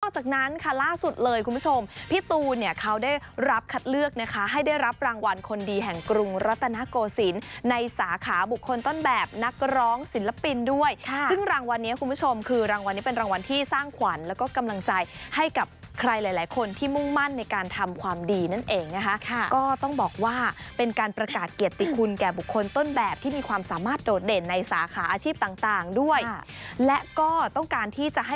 นอกจากนั้นค่ะล่าสุดเลยคุณผู้ชมพี่ตูเนี่ยเขาได้รับคัดเลือกนะคะให้ได้รับรางวัลคนดีแห่งกรุงรัตนโกศิลป์ในสาขาบุคคลต้นแบบนักร้องศิลปินด้วยซึ่งรางวัลนี้คุณผู้ชมคือรางวัลนี้เป็นรางวัลที่สร้างขวัญแล้วก็กำลังใจให้กับใครหลายคนที่มุ่งมั่นในการทำความดีนั่นเองนะคะก็ต้องบอกว่าเป็นการ